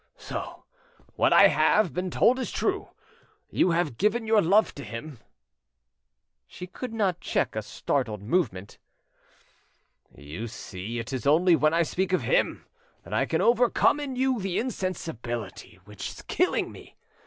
So what I have—been told is true: you have given your love to him." She could not check a startled movement. "You see it is only when I speak of him that I can overcome in you the insensibility which is killing me.